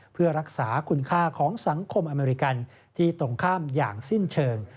เพื่อรักษาคุณค่าของสังคมอเมริกันที่ตรงข้ามอย่างสิ้นเชิง